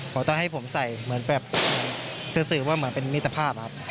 เราต้องให้ผมใส่แบบจะสื่อคือออกเป็นมิตรภาพครับ